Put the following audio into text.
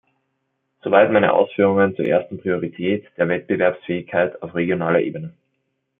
So weit meine Ausführungen zur ersten Priorität, der Wettbewerbsfähigkeit auf regionaler Ebene.